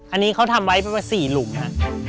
อันนี้เขาทำไว้เป็น๔หลุมค่ะ